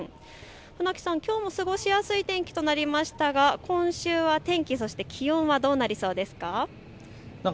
船木さん、きょうも過ごしやすい天気となりましたが、今週は天気、そして気温はどうなりそうですか。